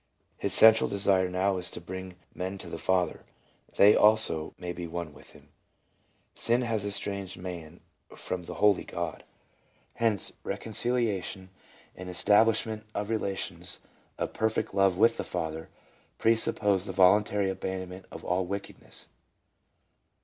His central desire now is to bring men to the Father, that they also may be one with Him. Sin has estranged man from the Holy God, hence reconciliation and 318 LETJBA : the establishment of relations of perfect love with the Father presuppose the voluntary abandonment of all wickedness.